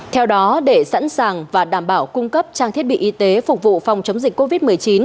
theo đó để sẵn sàng và đảm bảo cung cấp trang thiết bị y tế phục vụ phòng chống dịch covid một mươi chín